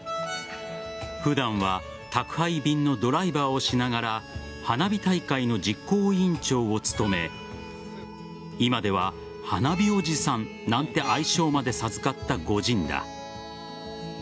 普段は宅配便のドライバーをしながら花火大会の実行委員長を務め今では、花火おじさんなんて愛称まで授かった御仁だ。